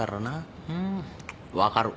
うん分かる。